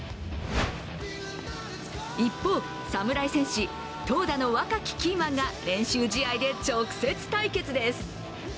一方、侍戦士、投打の若きキーマンが練習試合で直接対決です。